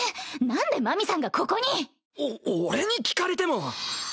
なんでマミさんがここに⁉お俺に聞かれても。